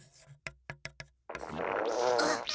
あっ。